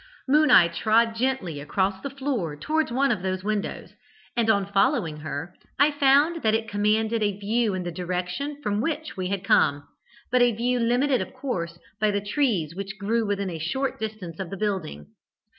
'Moon eye' trod gently across the floor towards one of those windows, and on following her I found that it commanded a view in the direction from which we had come, but a view limited of course by the trees which grew within a short distance of the building.